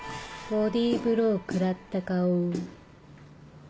ボディーブロー食らった顔。